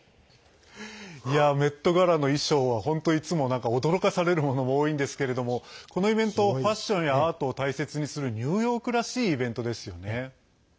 メットガラの衣装は本当いつも何か驚かされるものも多いんですけれどもこのイベントファッションやアートを大切にするニューヨークらしいイベントですよね。